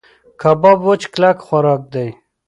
کباب وچ کلک خوراک دی.